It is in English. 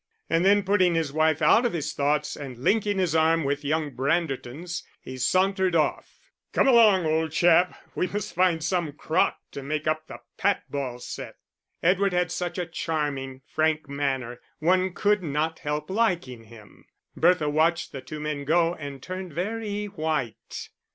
And then putting his wife out of his thoughts, and linking his arm with young Branderton's, he sauntered off. "Come along, old chap; we must find some crock to make up the pat ball set." Edward had such a charming, frank manner, one could not help liking him. Bertha watched the two men go and turned very white.